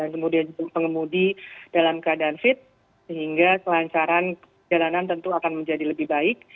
kemudian juga pengemudi dalam keadaan fit sehingga kelancaran jalanan tentu akan menjadi lebih baik